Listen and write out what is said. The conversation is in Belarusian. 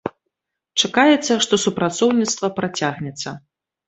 Чакаецца, што супрацоўніцтва працягнецца.